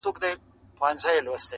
پرزولي یې شاهان او راجاګان وه؛